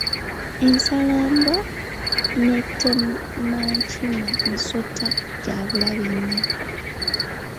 Essalambwa n'ettemankima misota gya bulabe nnyo.